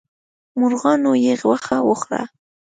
مرغانو یې غوښه وخوړه.